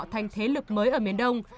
thành thế lực mới ở miền đông